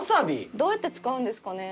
どうやって使うんですかね？